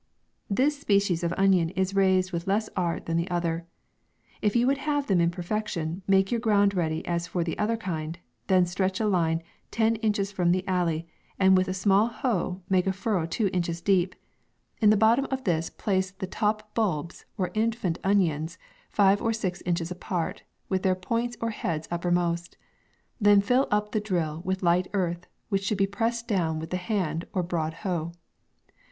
This species of onion is raised with le^s art than the other. If you would have them in perfection, make your ground ready as for the other kind ; then stretch a line ten inches from the alley, and with a small hoe make a furrow two inches deep ; in the bottom oft 1 72 MAY. place the top bulbs, or infant onions, fire or nches apart, with their points or heads uppermost ; then fill up the drill with light ea rth, which sh :>uld be pressed down with the hand or broad hoe.